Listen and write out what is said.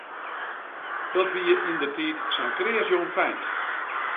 Dat wie yndertiid sa'n kreas jongfeint.